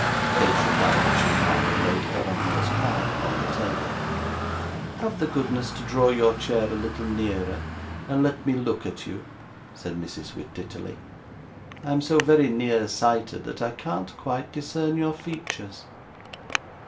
Kate replied that she had, and laid her uncle's card upon the table. 'Have the goodness to draw your chair a little nearer, and let me look at you,' said Mrs. Wititterly; 'I am so very nearsighted that I can't quite discern your features.